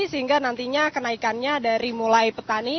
sehingga nantinya kenaikannya dari mulai petani